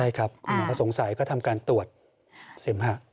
ใช่ครับคุณหมอก็สงสัยก็ทำการตรวจเสมหะ